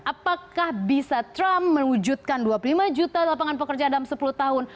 apakah bisa trump mewujudkan dua puluh lima juta lapangan pekerjaan dalam sepuluh tahun